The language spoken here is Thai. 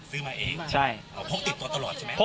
ซื้อมาเองพกติดตัวตลอดใช่ไหม